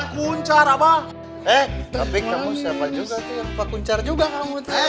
kuncar apa eh tapi kamu siapa juga sih pakuncar juga kamu sudah